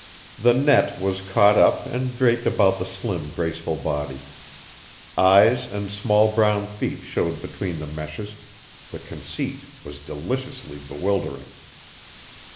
The net was caught up and draped about the slim, graceful body. Eyes and small brown feet showed between the meshes; the conceit was deliciously bewildering!